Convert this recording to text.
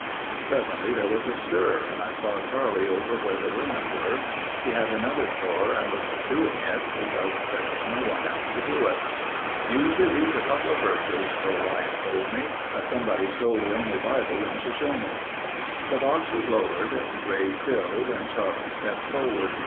Presently there was a stir and I saw Charlie over where the women were. He had another chore and was doing it because there was no one else to do it. "Usually reads a coupla verses," Joe Ryan told me. "But somebody stole the only Bible in Shoshone." The box was lowered, the grave filled and Charlie stepped forward.